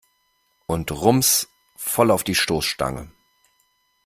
Und rums, voll auf die Stoßstange!